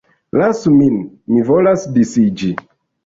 Lasu min, mi volas disiĝi!